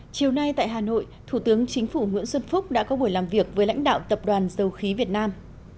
chiều nay tại hà nội thủ tướng chính phủ nguyễn xuân phúc đã có buổi làm việc với lãnh đạo tập đoàn dầu khí việt nam